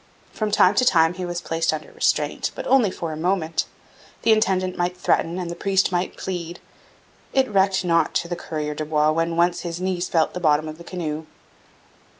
From time to time he was placed under restraint, but only for a moment. The intendant might threaten and the priest might plead. It recked not to the coureur de bois when once his knees felt the bottom of the canoe.